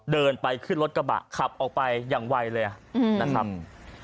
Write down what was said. เดินไปขึ้นรถกระบะขับออกไปอย่างไวเลยนะครับ